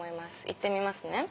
行ってみますね。